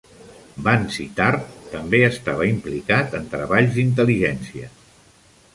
Vansittart també estava implicat en treballs d'intel·ligència.